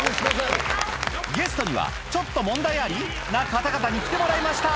ゲストにはちょっと問題あり？な方々に来てもらいました